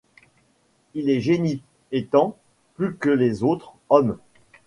Il est génie, étant, plus que les autres, homme.